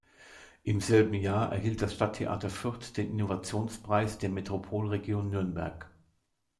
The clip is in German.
Im selben Jahr erhielt das Stadttheater Fürth den Innovationspreis der Metropolregion Nürnberg.